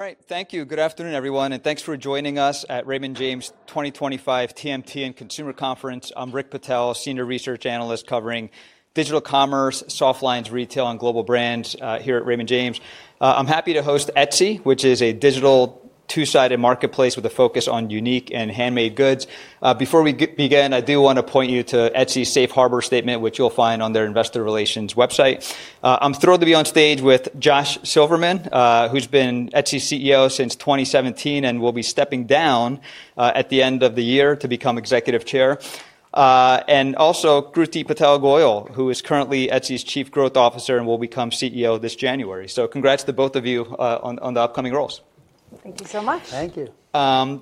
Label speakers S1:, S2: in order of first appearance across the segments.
S1: All right, thank you. Good afternoon, everyone, and thanks for joining us at Raymond James 2025 TMT and Consumer Conference. I'm Rick Patel, Senior Research Analyst covering digital commerce, softlines, retail, and global brands here at Raymond James. I'm happy to host Etsy, which is a digital two-sided marketplace with a focus on unique and handmade goods. Before we begin, I do want to point you to Etsy's Safe Harbor Statement, which you'll find on their Investor Relations website. I'm thrilled to be on stage with Josh Silverman, who's been Etsy's CEO since 2017 and will be stepping down at the end of the year to become Executive Chair, and also Kruti Patel Goyal, who is currently Etsy's Chief Growth Officer and will become CEO this January. So congrats to both of you on the upcoming roles.
S2: Thank you so much.
S3: Thank you.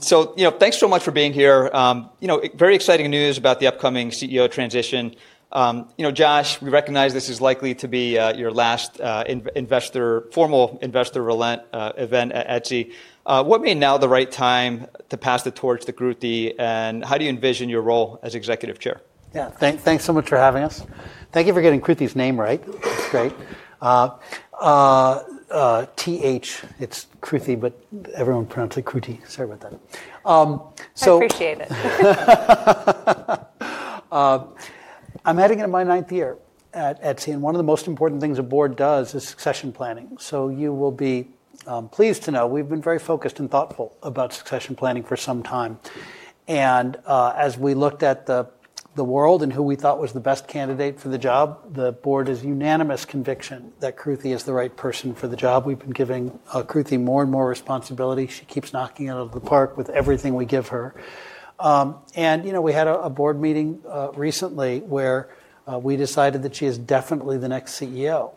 S1: So, you know, thanks so much for being here. You know, very exciting news about the upcoming CEO transition. You know, Josh, we recognize this is likely to be your last formal investor event at Etsy. What made now the right time to pass the torch to Kruti, and how do you envision your role as Executive Chair?
S3: Yeah, thanks so much for having us. Thank you for getting Kruti's name right. It's great. T-H, it's Kruti, but everyone pronounces it Kruti. Sorry about that.
S2: I appreciate it.
S3: I'm heading into my ninth year at Etsy, and one of the most important things a board does is succession planning. So you will be pleased to know we've been very focused and thoughtful about succession planning for some time. And as we looked at the world and who we thought was the best candidate for the job, the board is unanimous conviction that Kruti is the right person for the job. We've been giving Kruti more and more responsibility. She keeps knocking it out of the park with everything we give her. And, you know, we had a board meeting recently where we decided that she is definitely the next CEO.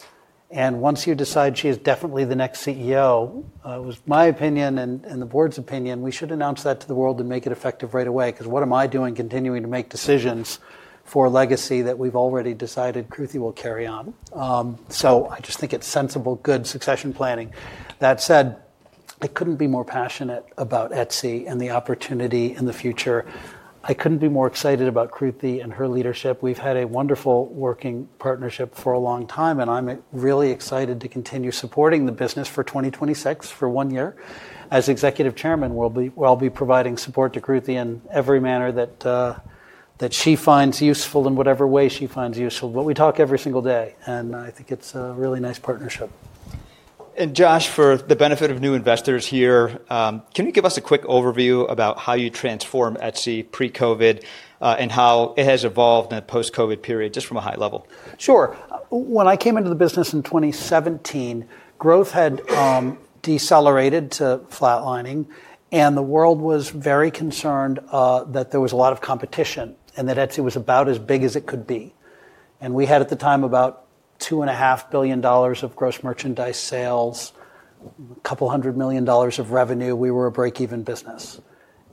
S3: Once you decide she is definitely the next CEO, it was my opinion and the board's opinion, we should announce that to the world and make it effective right away, because what am I doing continuing to make decisions for a legacy that we've already decided Kruti will carry on? I just think it's sensible, good succession planning. That said, I couldn't be more passionate about Etsy and the opportunity in the future. I couldn't be more excited about Kruti and her leadership. We've had a wonderful working partnership for a long time, and I'm really excited to continue supporting the business for 2026 for one year. As Executive Chairman, I'll be providing support to Kruti in every manner that she finds useful and whatever way she finds useful. But we talk every single day, and I think it's a really nice partnership.
S1: Josh, for the benefit of new investors here, can you give us a quick overview about how you transformed Etsy pre-COVID and how it has evolved in the post-COVID period, just from a high level?
S3: Sure. When I came into the business in 2017, growth had decelerated to flatlining, and the world was very concerned that there was a lot of competition and that Etsy was about as big as it could be. And we had at the time about $2.5 billion of gross merchandise sales, $200 million of revenue. We were a break-even business.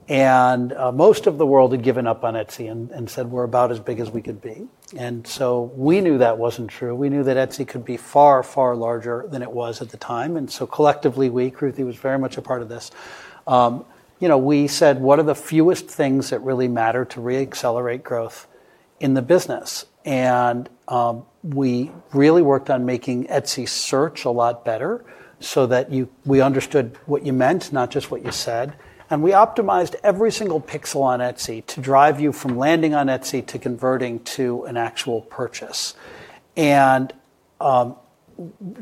S3: And most of the world had given up on Etsy and said, "We're about as big as we could be." And so we knew that wasn't true. We knew that Etsy could be far, far larger than it was at the time. And so collectively, we, Kruti, was very much a part of this. You know, we said, "What are the fewest things that really matter to reaccelerate growth in the business?" And we really worked on making Etsy search a lot better so that we understood what you meant, not just what you said. And we optimized every single pixel on Etsy to drive you from landing on Etsy to converting to an actual purchase. And,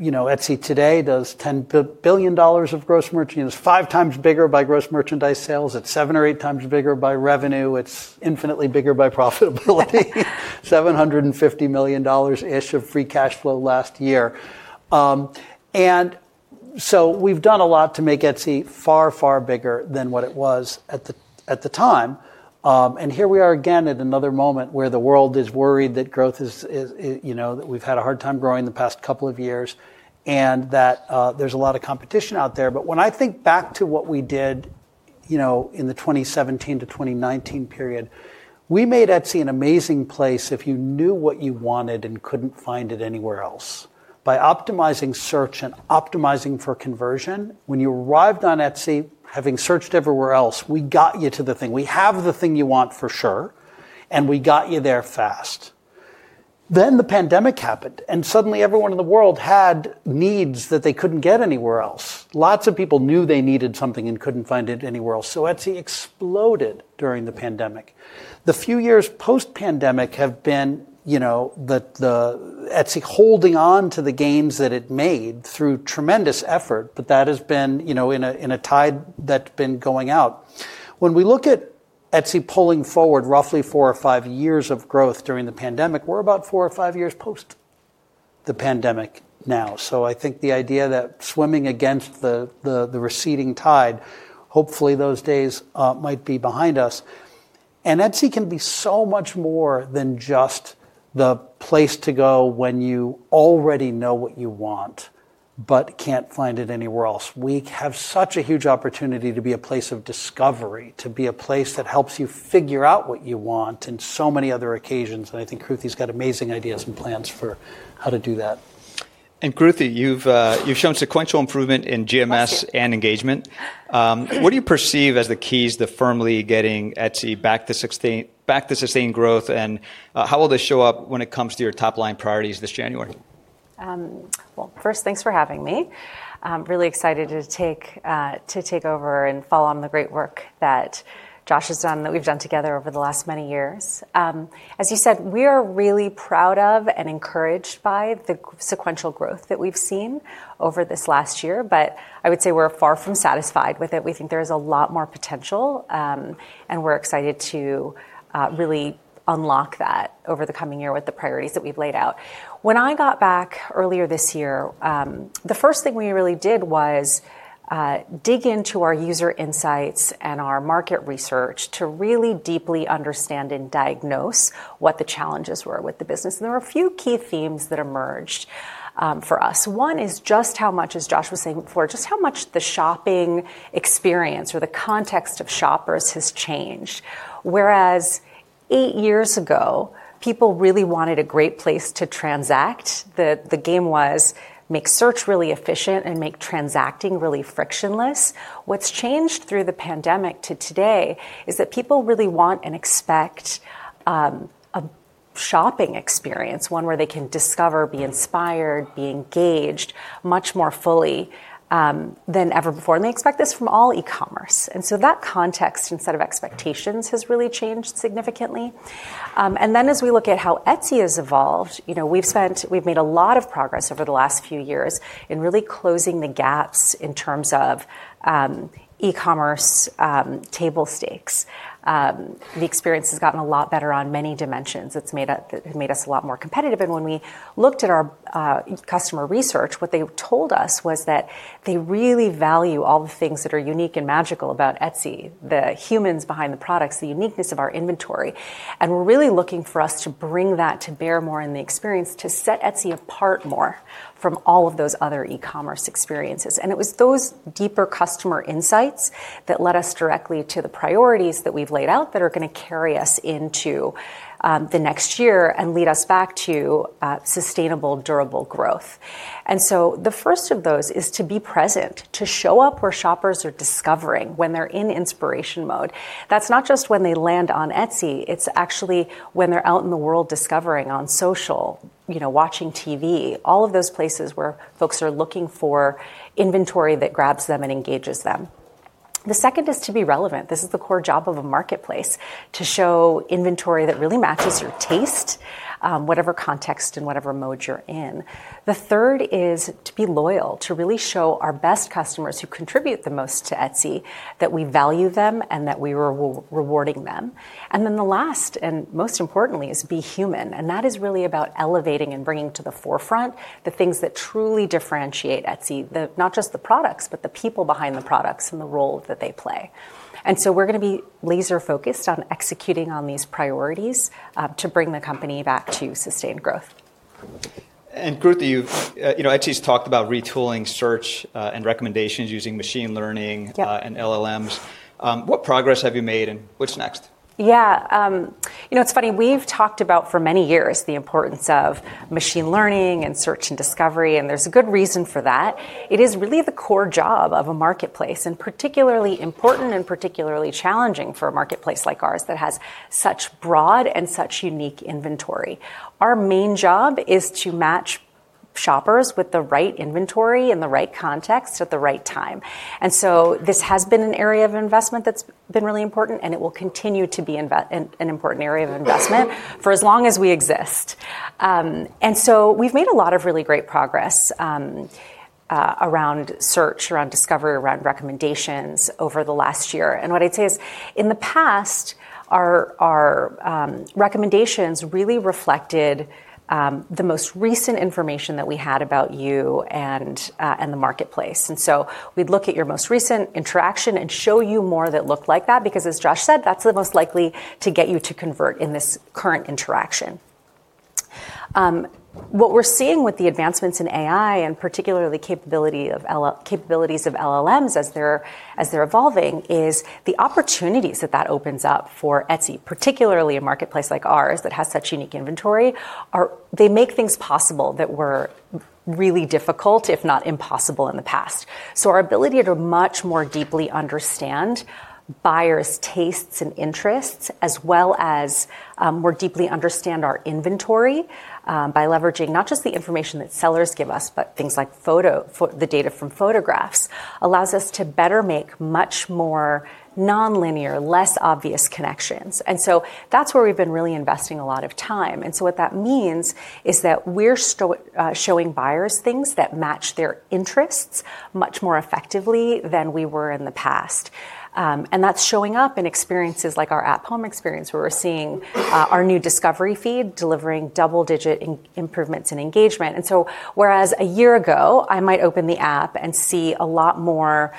S3: you know, Etsy today does $10 billion of gross merchandise. It's five times bigger by gross merchandise sales. It's seven or eight times bigger by revenue. It's infinitely bigger by profitability, $750 million-ish of free cash flow last year. And so we've done a lot to make Etsy far, far bigger than what it was at the time. And here we are again at another moment where the world is worried that growth is, you know, that we've had a hard time growing the past couple of years and that there's a lot of competition out there. But when I think back to what we did, you know, in the 2017-2019 period, we made Etsy an amazing place if you knew what you wanted and couldn't find it anywhere else. By optimizing search and optimizing for conversion, when you arrived on Etsy, having searched everywhere else, we got you to the thing. We have the thing you want for sure, and we got you there fast. Then the pandemic happened, and suddenly everyone in the world had needs that they couldn't get anywhere else. Lots of people knew they needed something and couldn't find it anywhere else. So Etsy exploded during the pandemic. The few years post-pandemic have been, you know, Etsy holding on to the gains that it made through tremendous effort, but that has been, you know, in a tide that's been going out. When we look at Etsy pulling forward roughly four or five years of growth during the pandemic, we're about four or five years post the pandemic now. So I think the idea that swimming against the receding tide, hopefully those days might be behind us. And Etsy can be so much more than just the place to go when you already know what you want but can't find it anywhere else. We have such a huge opportunity to be a place of discovery, to be a place that helps you figure out what you want in so many other occasions. And I think Kruti's got amazing ideas and plans for how to do that.
S1: Kruti, you've shown sequential improvement in GMS and engagement. What do you perceive as the keys to firmly getting Etsy back to sustained growth, and how will this show up when it comes to your top line priorities this January?
S2: First, thanks for having me. I'm really excited to take over and follow on the great work that Josh has done that we've done together over the last many years. As you said, we are really proud of and encouraged by the sequential growth that we've seen over this last year, but I would say we're far from satisfied with it. We think there is a lot more potential, and we're excited to really unlock that over the coming year with the priorities that we've laid out. When I got back earlier this year, the first thing we really did was dig into our user insights and our market research to really deeply understand and diagnose what the challenges were with the business. There were a few key themes that emerged for us. One is just how much, as Josh was saying before, just how much the shopping experience or the context of shoppers has changed. Whereas eight years ago, people really wanted a great place to transact. The game was make search really efficient and make transacting really frictionless. What's changed through the pandemic to today is that people really want and expect a shopping experience, one where they can discover, be inspired, be engaged much more fully than ever before, and they expect this from all e-commerce, and so that context instead of expectations has really changed significantly, and then as we look at how Etsy has evolved, you know, we've made a lot of progress over the last few years in really closing the gaps in terms of e-commerce table stakes. The experience has gotten a lot better on many dimensions. It's made us a lot more competitive. And when we looked at our customer research, what they told us was that they really value all the things that are unique and magical about Etsy, the humans behind the products, the uniqueness of our inventory. And we're really looking for us to bring that to bear more in the experience to set Etsy apart more from all of those other e-commerce experiences. And it was those deeper customer insights that led us directly to the priorities that we've laid out that are going to carry us into the next year and lead us back to sustainable, durable growth. And so the first of those is to be present, to show up where shoppers are discovering when they're in inspiration mode. That's not just when they land on Etsy. It's actually when they're out in the world discovering on social, you know, watching TV, all of those places where folks are looking for inventory that grabs them and engages them. The second is to be relevant. This is the core job of a marketplace to show inventory that really matches your taste, whatever context and whatever mode you're in. The third is to be loyal, to really show our best customers who contribute the most to Etsy that we value them and that we are rewarding them, and then the last and most importantly is to be human, and that is really about elevating and bringing to the forefront the things that truly differentiate Etsy, not just the products, but the people behind the products and the role that they play. And so we're going to be laser-focused on executing on these priorities to bring the company back to sustained growth.
S1: Kruti, you know, Etsy's talked about retooling search and recommendations using machine learning and LLMs. What progress have you made and what's next?
S2: Yeah, you know, it's funny. We've talked about for many years the importance of machine learning and search and discovery, and there's a good reason for that. It is really the core job of a marketplace and particularly important and particularly challenging for a marketplace like ours that has such broad and such unique inventory. Our main job is to match shoppers with the right inventory in the right context at the right time. And so this has been an area of investment that's been really important, and it will continue to be an important area of investment for as long as we exist. And so we've made a lot of really great progress around search, around discovery, around recommendations over the last year. And what I'd say is in the past, our recommendations really reflected the most recent information that we had about you and the marketplace. And so we'd look at your most recent interaction and show you more that looked like that, because as Josh said, that's the most likely to get you to convert in this current interaction. What we're seeing with the advancements in AI and particularly the capabilities of LLMs as they're evolving is the opportunities that that opens up for Etsy, particularly a marketplace like ours that has such unique inventory. They make things possible that were really difficult, if not impossible, in the past. So our ability to much more deeply understand buyers' tastes and interests, as well as more deeply understand our inventory by leveraging not just the information that sellers give us, but things like the data from photographs, allows us to better make much more non-linear, less obvious connections. And so that's where we've been really investing a lot of time. And so what that means is that we're showing buyers things that match their interests much more effectively than we were in the past. And that's showing up in experiences like our app home experience, where we're seeing our new discovery feed delivering double-digit improvements in engagement. And so whereas a year ago, I might open the app and see a lot more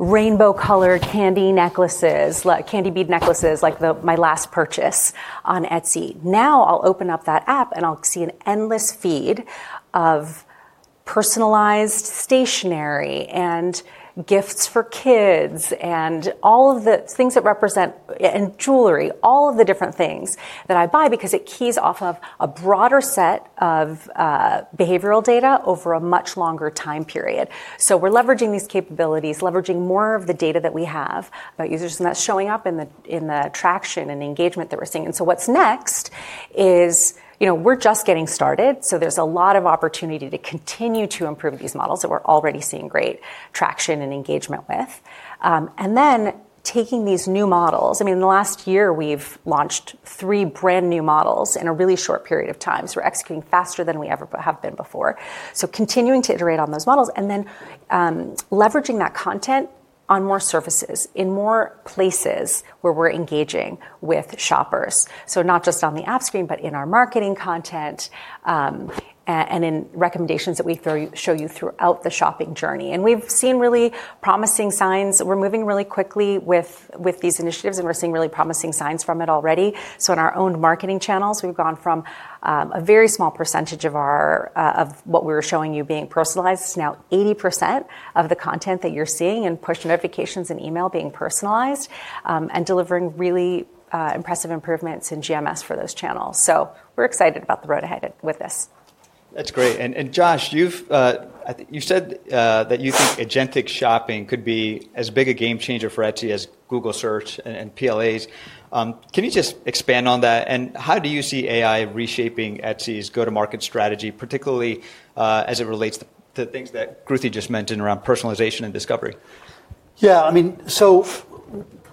S2: rainbow-colored candy necklaces, like candy bead necklaces like my last purchase on Etsy. Now I'll open up that app and I'll see an endless feed of personalized stationery and gifts for kids and all of the things that represent and jewelry, all of the different things that I buy, because it keys off of a broader set of behavioral data over a much longer time period. So we're leveraging these capabilities, leveraging more of the data that we have about users, and that's showing up in the traction and engagement that we're seeing. And so what's next is, you know, we're just getting started. So there's a lot of opportunity to continue to improve these models that we're already seeing great traction and engagement with. And then taking these new models, I mean, in the last year, we've launched three brand new models in a really short period of time. So we're executing faster than we ever have been before. So continuing to iterate on those models and then leveraging that content on more surfaces in more places where we're engaging with shoppers. So not just on the app screen, but in our marketing content and in recommendations that we show you throughout the shopping journey. And we've seen really promising signs. We're moving really quickly with these initiatives, and we're seeing really promising signs from it already. So in our own marketing channels, we've gone from a very small percentage of what we were showing you being personalized. It's now 80% of the content that you're seeing in push notifications and email being personalized and delivering really impressive improvements in GMS for those channels. So we're excited about the road ahead with this.
S1: That's great, and Josh, you said that you think agentic shopping could be as big a game changer for Etsy as Google search and PLAs. Can you just expand on that, and how do you see AI reshaping Etsy's go-to-market strategy, particularly as it relates to things that Kruti just mentioned around personalization and discovery?
S3: Yeah, I mean, so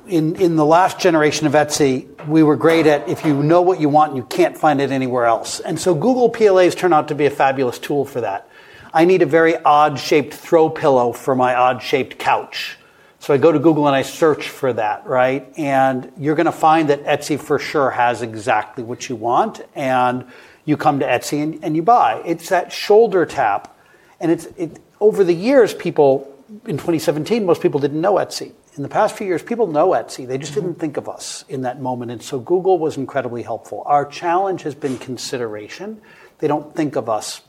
S3: in the last generation of Etsy, we were great at if you know what you want and you can't find it anywhere else. And so Google PLAs turned out to be a fabulous tool for that. I need a very odd-shaped throw pillow for my odd-shaped couch. So I go to Google and I search for that, right? And you're going to find that Etsy for sure has exactly what you want. And you come to Etsy and you buy. It's that shoulder tap. And over the years, people in 2017, most people didn't know Etsy. In the past few years, people know Etsy. They just didn't think of us in that moment. And so Google was incredibly helpful. Our challenge has been consideration. They don't think of us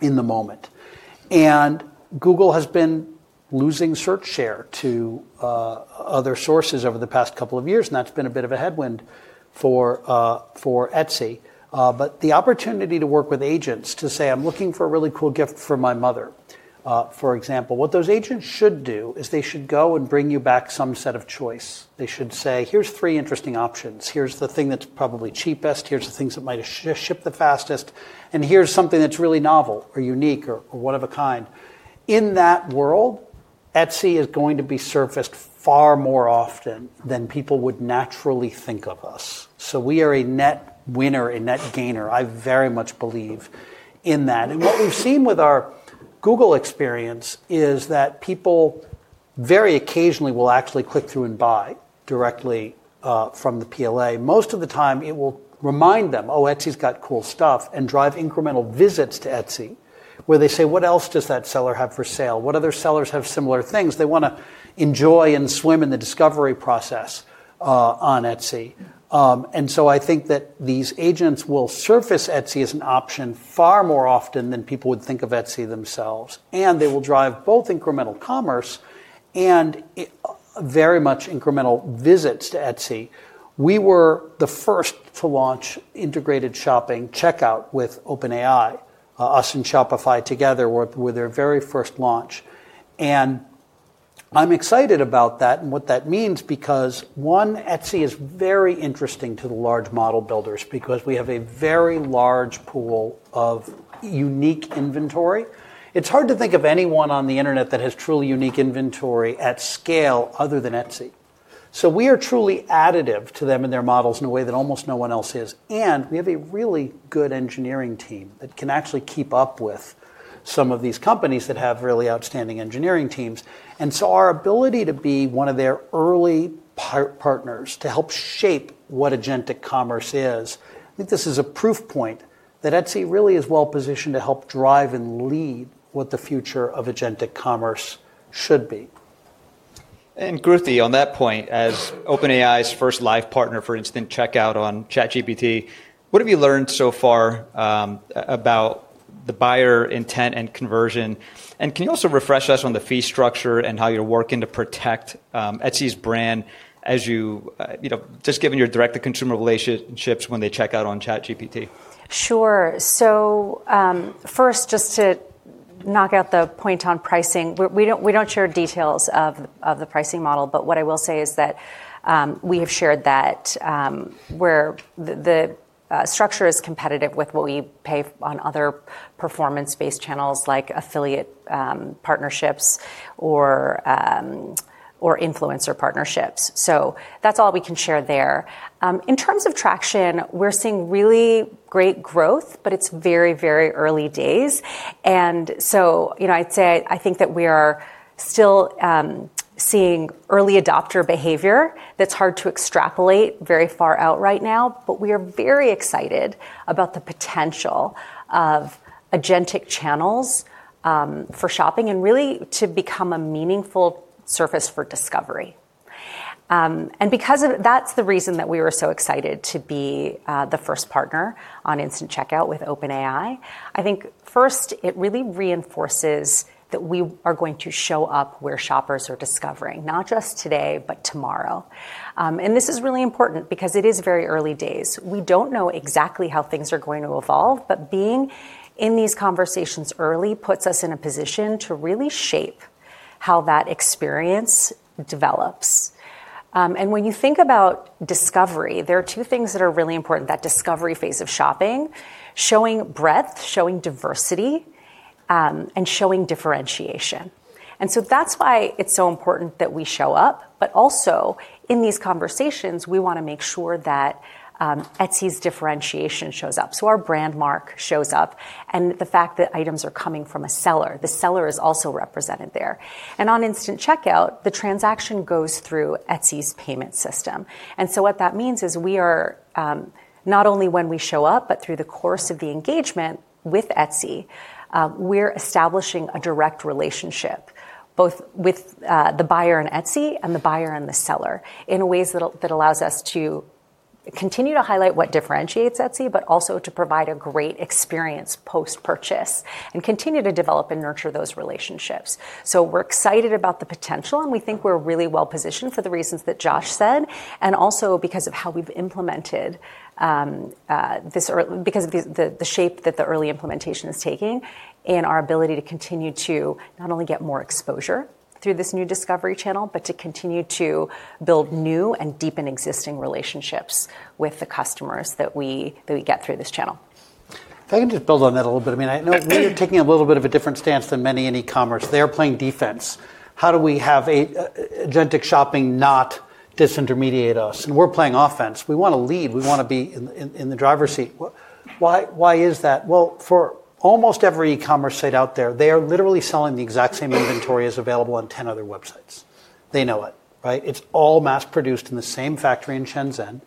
S3: in the moment. Google has been losing search share to other sources over the past couple of years, and that's been a bit of a headwind for Etsy. But the opportunity to work with agents to say, "I'm looking for a really cool gift for my mother," for example, what those agents should do is they should go and bring you back some set of choice. They should say, "Here's three interesting options. Here's the thing that's probably cheapest. Here's the things that might ship the fastest. And here's something that's really novel or unique or one of a kind." In that world, Etsy is going to be surfaced far more often than people would naturally think of us. So we are a net winner, a net gainer. I very much believe in that. And what we've seen with our Google experience is that people very occasionally will actually click through and buy directly from the PLA. Most of the time, it will remind them, "Oh, Etsy's got cool stuff," and drive incremental visits to Etsy where they say, "What else does that seller have for sale? What other sellers have similar things?" They want to enjoy and swim in the discovery process on Etsy. And so I think that these agents will surface Etsy as an option far more often than people would think of Etsy themselves. And they will drive both incremental commerce and very much incremental visits to Etsy. We were the first to launch integrated shopping checkout with OpenAI, us and Shopify together with their very first launch. And I'm excited about that and what that means because, one, Etsy is very interesting to the large model builders because we have a very large pool of unique inventory. It's hard to think of anyone on the internet that has truly unique inventory at scale other than Etsy. So we are truly additive to them and their models in a way that almost no one else is. And we have a really good engineering team that can actually keep up with some of these companies that have really outstanding engineering teams. And so our ability to be one of their early partners to help shape what agentic commerce is. I think this is a proof point that Etsy really is well positioned to help drive and lead what the future of agentic commerce should be.
S1: Kruti, on that point, as OpenAI's first live partner, for instance, checkout on ChatGPT, what have you learned so far about the buyer intent and conversion? Can you also refresh us on the fee structure and how you're working to protect Etsy's brand as you, you know, just given your direct-to-consumer relationships when they checkout on ChatGPT?
S2: Sure. So first, just to knock out the point on pricing, we don't share details of the pricing model. But what I will say is that we have shared that where the structure is competitive with what we pay on other performance-based channels like affiliate partnerships or influencer partnerships. So that's all we can share there. In terms of traction, we're seeing really great growth, but it's very, very early days. And so, you know, I'd say I think that we are still seeing early adopter behavior that's hard to extrapolate very far out right now. But we are very excited about the potential of agentic channels for shopping and really to become a meaningful surface for discovery. And because of that's the reason that we were so excited to be the first partner on instant checkout with OpenAI. I think first, it really reinforces that we are going to show up where shoppers are discovering, not just today, but tomorrow, and this is really important because it is very early days. We don't know exactly how things are going to evolve, but being in these conversations early puts us in a position to really shape how that experience develops, and when you think about discovery, there are two things that are really important: that discovery phase of shopping, showing breadth, showing diversity, and showing differentiation, and so that's why it's so important that we show up, but also, in these conversations, we want to make sure that Etsy's differentiation shows up, so our brand mark shows up, and the fact that items are coming from a seller, the seller is also represented there. And on instant checkout, the transaction goes through Etsy's payment system. And so what that means is we are not only when we show up, but through the course of the engagement with Etsy, we're establishing a direct relationship both with the buyer and Etsy and the buyer and the seller in ways that allow us to continue to highlight what differentiates Etsy, but also to provide a great experience post-purchase and continue to develop and nurture those relationships. So we're excited about the potential, and we think we're really well positioned for the reasons that Josh said, and also because of how we've implemented this early, because of the shape that the early implementation is taking and our ability to continue to not only get more exposure through this new discovery channel, but to continue to build new and deepen existing relationships with the customers that we get through this channel.
S3: If I can just build on that a little bit. I mean, I know we're taking a little bit of a different stance than many in e-commerce. They're playing defense. How do we have agentic shopping not disintermediate us? And we're playing offense. We want to lead. We want to be in the driver's seat. Why is that? Well, for almost every e-commerce site out there, they are literally selling the exact same inventory as available on 10 other websites. They know it, right? It's all mass-produced in the same factory in Shenzhen,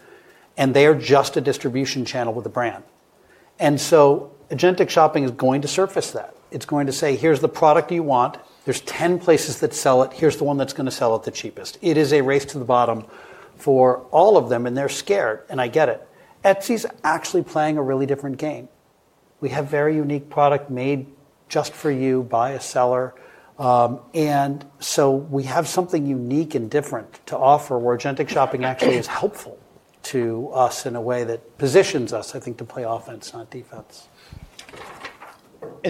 S3: and they are just a distribution channel with the brand. And so agentic shopping is going to surface that. It's going to say, "Here's the product you want. There's 10 places that sell it. Here's the one that's going to sell it the cheapest." It is a race to the bottom for all of them, and they're scared, and I get it. Etsy's actually playing a really different game. We have very unique product made just for you by a seller. And so we have something unique and different to offer where agentic shopping actually is helpful to us in a way that positions us, I think, to play offense, not defense.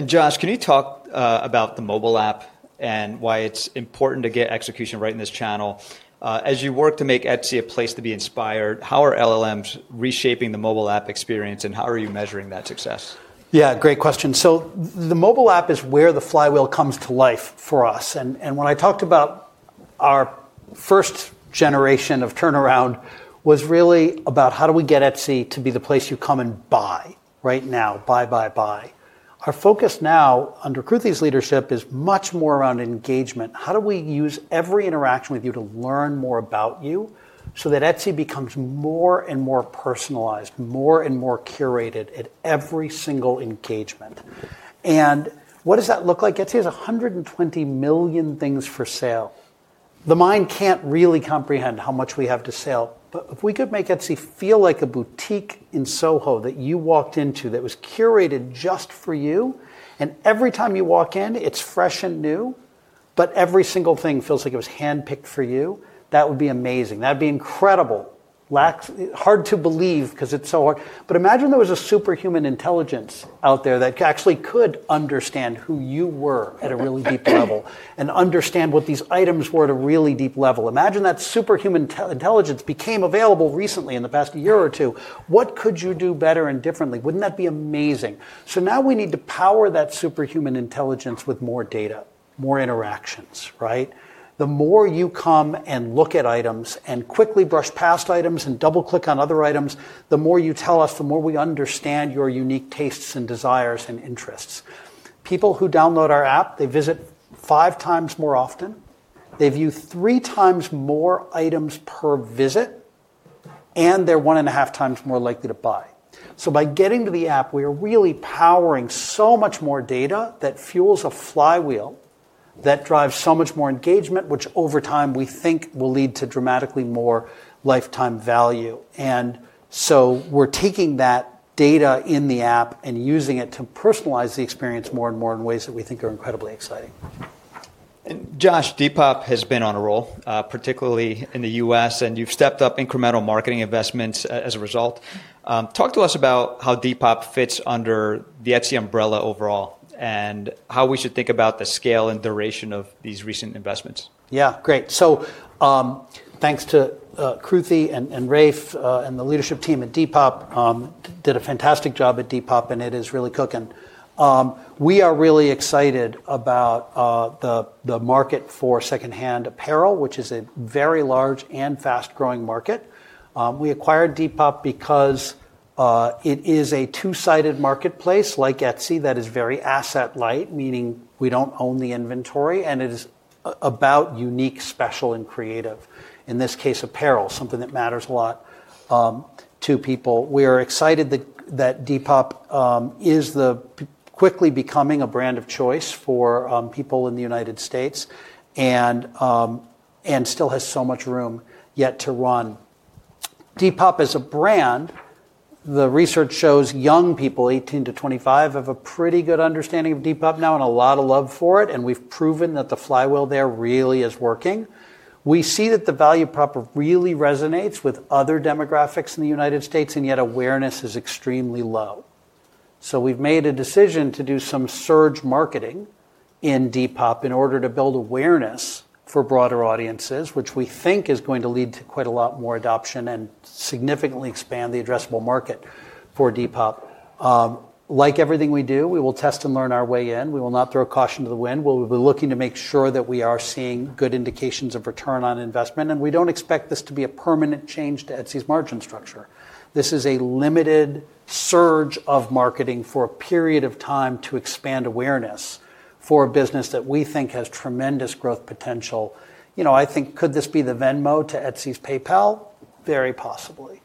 S1: Josh, can you talk about the mobile app and why it's important to get execution right in this channel? As you work to make Etsy a place to be inspired, how are LLMs reshaping the mobile app experience, and how are you measuring that success?
S3: Yeah, great question. So the mobile app is where the flywheel comes to life for us. And when I talked about our first generation of turnaround, it was really about how do we get Etsy to be the place you come and buy right now, buy, buy, buy. Our focus now under Kruti's leadership is much more around engagement. How do we use every interaction with you to learn more about you so that Etsy becomes more and more personalized, more and more curated at every single engagement? And what does that look like? Etsy has 120 million things for sale. The mind can't really comprehend how much we have for sale. But if we could make Etsy feel like a boutique in Soho that you walked into that was curated just for you, and every time you walk in, it's fresh and new, but every single thing feels like it was handpicked for you, that would be amazing. That'd be incredible. Hard to believe because it's so hard. But imagine there was a superhuman intelligence out there that actually could understand who you were at a really deep level and understand what these items were at a really deep level. Imagine that superhuman intelligence became available recently in the past year or two. What could you do better and differently? Wouldn't that be amazing? So now we need to power that superhuman intelligence with more data, more interactions, right? The more you come and look at items and quickly brush past items and double-click on other items, the more you tell us, the more we understand your unique tastes and desires and interests. People who download our app, they visit five times more often. They view three times more items per visit, and they're one and a half times more likely to buy. So by getting to the app, we are really powering so much more data that fuels a flywheel that drives so much more engagement, which over time we think will lead to dramatically more lifetime value, and so we're taking that data in the app and using it to personalize the experience more and more in ways that we think are incredibly exciting.
S1: Josh, Depop has been on a roll, particularly in the U.S., and you've stepped up incremental marketing investments as a result. Talk to us about how Depop fits under the Etsy umbrella overall and how we should think about the scale and duration of these recent investments.
S3: Yeah, great. So thanks to Kruti and Rafe and the leadership team at Depop. Did a fantastic job at Depop, and it is really cooking. We are really excited about the market for secondhand apparel, which is a very large and fast-growing market. We acquired Depop because it is a two-sided marketplace like Etsy that is very asset-light, meaning we don't own the inventory, and it is about unique, special, and creative. In this case, apparel, something that matters a lot to people. We are excited that Depop is quickly becoming a brand of choice for people in the United States and still has so much room yet to run. Depop as a brand, the research shows young people 18 to 25 have a pretty good understanding of Depop now and a lot of love for it. And we've proven that the flywheel there really is working. We see that the value prop really resonates with other demographics in the United States, and yet awareness is extremely low. So we've made a decision to do some surge marketing in Depop in order to build awareness for broader audiences, which we think is going to lead to quite a lot more adoption and significantly expand the addressable market for Depop. Like everything we do, we will test and learn our way in. We will not throw caution to the wind. We'll be looking to make sure that we are seeing good indications of return on investment. And we don't expect this to be a permanent change to Etsy's margin structure. This is a limited surge of marketing for a period of time to expand awareness for a business that we think has tremendous growth potential. You know, I think, could this be the Venmo to Etsy's PayPal? Very possibly.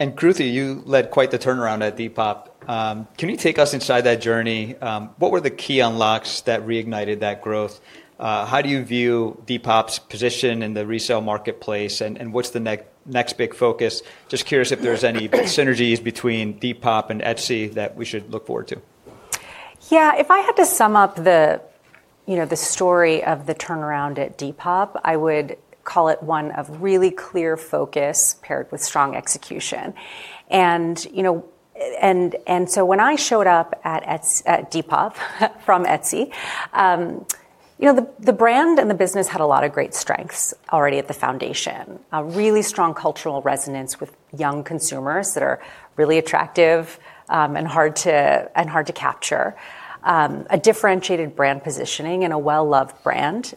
S1: Kruti, you led quite the turnaround at Depop. Can you take us inside that journey? What were the key unlocks that reignited that growth? How do you view Depop's position in the resale marketplace, and what's the next big focus? Just curious if there's any synergies between Depop and Etsy that we should look forward to.
S2: Yeah, if I had to sum up the story of the turnaround at Depop, I would call it one of really clear focus paired with strong execution. And so when I showed up at Depop from Etsy, you know, the brand and the business had a lot of great strengths already at the foundation: a really strong cultural resonance with young consumers that are really attractive and hard to capture, a differentiated brand positioning and a well-loved brand,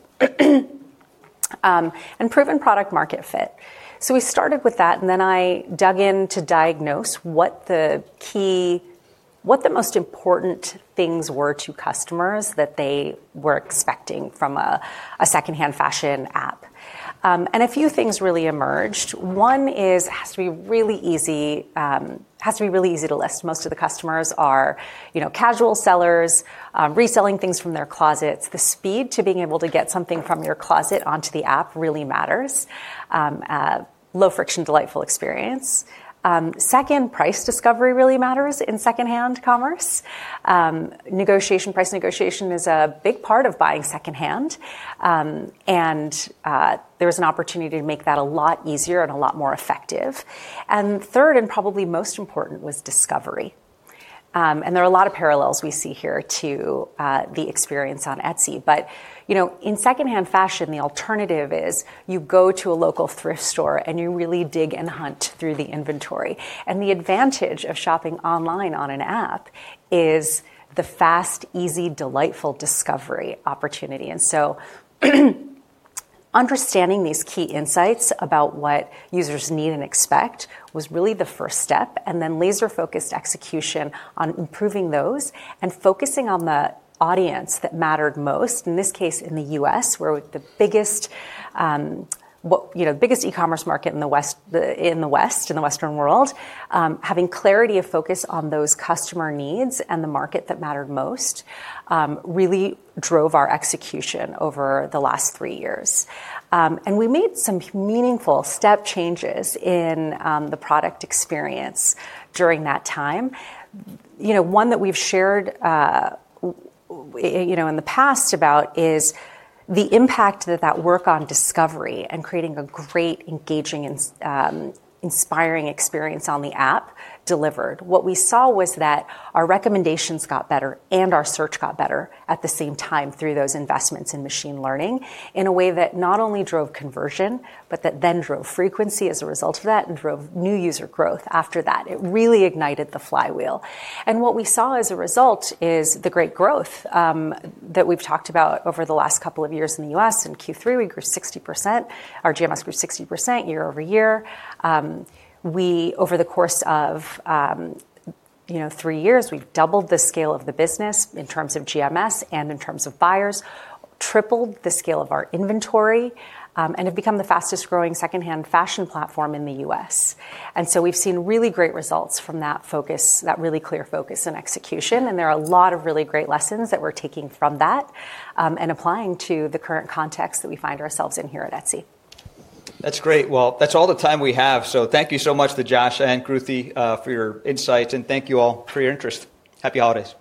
S2: and proven product-market fit. So we started with that, and then I dug in to diagnose what the key, what the most important things were to customers that they were expecting from a secondhand fashion app. And a few things really emerged. One is, it has to be really easy, has to be really easy to list. Most of the customers are casual sellers reselling things from their closets. The speed to being able to get something from your closet onto the app really matters: low-friction, delightful experience. Second, price discovery really matters in secondhand commerce. Negotiation, price negotiation, is a big part of buying secondhand. And there was an opportunity to make that a lot easier and a lot more effective. And third, and probably most important, was discovery. And there are a lot of parallels we see here to the experience on Etsy. But in secondhand fashion, the alternative is you go to a local thrift store and you really dig and hunt through the inventory. And the advantage of shopping online on an app is the fast, easy, delightful discovery opportunity. And so understanding these key insights about what users need and expect was really the first step. And then laser-focused execution on improving those and focusing on the audience that mattered most, in this case in the U.S., where the biggest e-commerce market in the West, in the Western world, having clarity of focus on those customer needs and the market that mattered most really drove our execution over the last three years. And we made some meaningful step changes in the product experience during that time. One that we've shared in the past about is the impact that that work on discovery and creating a great, engaging, inspiring experience on the app delivered. What we saw was that our recommendations got better and our search got better at the same time through those investments in machine learning in a way that not only drove conversion, but that then drove frequency as a result of that and drove new user growth after that. It really ignited the flywheel, and what we saw as a result is the great growth that we've talked about over the last couple of years in the U.S. In Q3, we grew 60%. Our GMS grew 60% year-over-year. We, over the course of three years, we've doubled the scale of the business in terms of GMS and in terms of buyers, tripled the scale of our inventory, and have become the fastest-growing secondhand fashion platform in the U.S., and so we've seen really great results from that focus, that really clear focus and execution, and there are a lot of really great lessons that we're taking from that and applying to the current context that we find ourselves in here at Etsy.
S1: That's great. Well, that's all the time we have. So thank you so much to Josh and Kruti for your insights. And thank you all for your interest. Happy holidays.